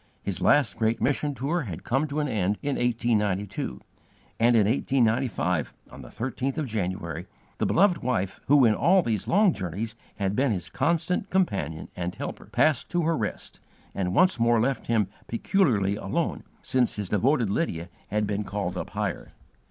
His last great mission tour had come to an end in 1892, and in 1895, on the 13th of January, the beloved wife who in all these long journeys had been his constant companion and helper, passed to her rest, and once more left him peculiarly alone, since his devoted Lydia had been called up higher.